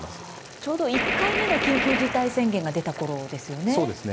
ちょうど１回目の緊急事態宣言が出たころですね。